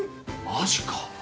マジか。